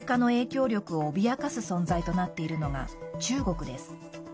中南米でのアメリカの影響力を脅かす存在となっているのが中国です。